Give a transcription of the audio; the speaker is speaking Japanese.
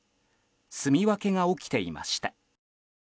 住み分けが起きていました。